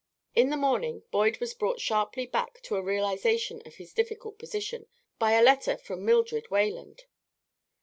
In the morning Boyd was brought sharply back to a realization of his difficult position by a letter from Mildred Wayland.